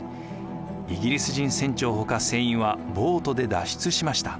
イギリス人船長ほか船員はボートで脱出しました。